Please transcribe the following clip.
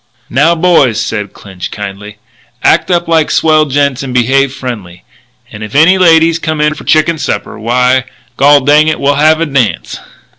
"Now, boys," said Clinch kindly, "act up like swell gents and behave friendly. And if any ladies come in for the chicken supper, why, gol dang it, we'll have a dance!"